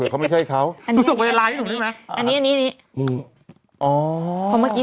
ขออีกทีอ่านอีกที